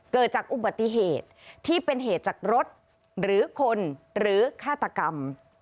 เกิดจากอุบัติเหตุที่เป็นเหตุจากรถหรือคนหรือฆาตกรรม